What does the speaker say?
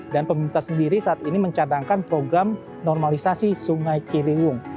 dan pemerintah sendiri saat ini mencadangkan program normalisasi sungai ciliwung